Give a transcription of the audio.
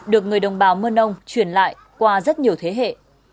được người đồng bào mân âu chuyển lại qua rất nhiều thế hệ